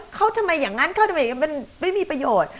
เขาทำไมอย่างนั้นเขาทำไมมันไม่มีประโยชน์